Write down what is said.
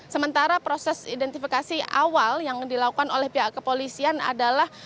sementara proses identifikasi awal yang dilakukan oleh pihak kepolisian adalah